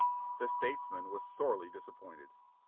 The statesman was sorely disappointed.